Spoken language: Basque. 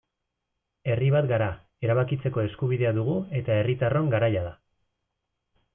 Herri bat gara, erabakitzeko eskubidea dugu eta herritarron garaia da.